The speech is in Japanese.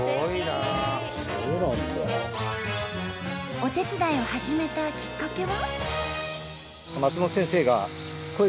お手伝いを始めたきっかけは？